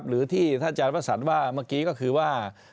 หรือที่ท่านอาจารย์วสันว่าเมื่อกี้ก็คือว่า